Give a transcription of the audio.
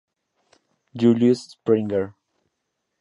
Julius Springer.